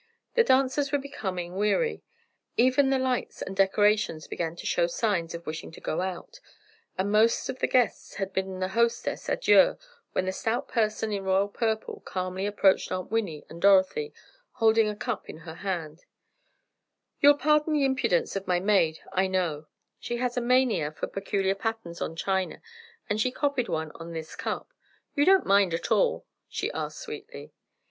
The dancers were becoming weary, even the lights and decorations began to show signs of wishing to go out, and most of the guests had bidden the hostesses adieu when the stout person in royal purple calmly approached Aunt Winnie and Dorothy, holding a cup in her hand: "You'll pardon the impudence of my maid, I know, she has a mania for peculiar patterns on china, and she copied one on this cup. You don't mind at all?" she asked sweetly.